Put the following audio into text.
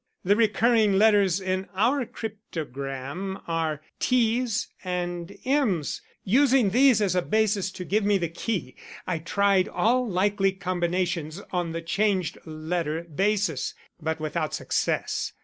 The recurring letters in our cryptogram are T's and M's. Using these as a basis to give me the key, I tried all likely combinations on the changed letter basis, but without success.